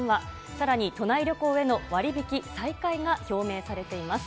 さらに都内旅行への割引再開が表明されています。